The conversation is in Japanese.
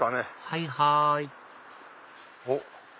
はいはいおっ！